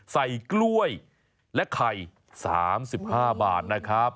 ใส่กล้วยและไข่๓๕บาทนะครับ